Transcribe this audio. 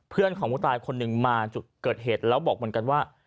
เพื่อนของผู้ตายคนหนึ่งมาจุดเกิดเหตุแล้วบอกเหมือนกันว่า